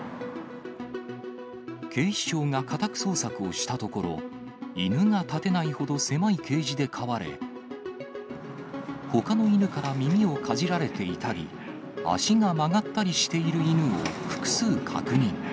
警視庁が家宅捜索をしたところ、犬が立てないほど狭いケージで飼われ、ほかの犬から耳をかじられていたり、足が曲がったりしている犬を複数確認。